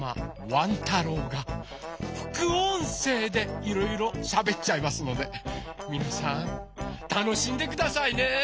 ワン太郎がふくおんせいでいろいろしゃべっちゃいますのでみなさんたのしんでくださいね！